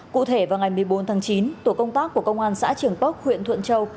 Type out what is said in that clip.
cụ thể vào ngày một mươi bốn tháng chín tổ công tác của công an xã trường bắc huyện thuận châu